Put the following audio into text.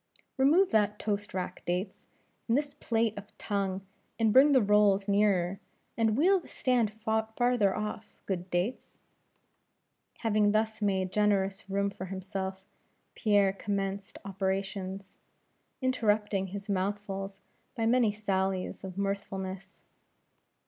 "Remove that toast rack, Dates; and this plate of tongue, and bring the rolls nearer, and wheel the stand farther off, good Dates." Having thus made generous room for himself, Pierre commenced operations, interrupting his mouthfuls by many sallies of mirthfulness.